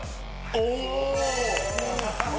お！